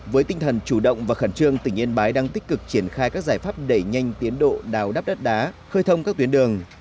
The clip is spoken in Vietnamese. với tinh thần chủ động và khẩn trương tỉnh yên bái đang tích cực triển khai các giải pháp đẩy nhanh tiến độ đào đắp đất đá khơi thông các tuyến đường